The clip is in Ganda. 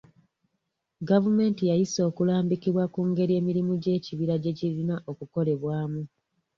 Gavumenti yayisa okulambikibwa ku ngeri emirimu gy'ekibira gye girina okukolebwamu.